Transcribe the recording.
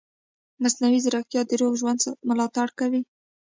مصنوعي ځیرکتیا د روغ ژوند ملاتړ کوي.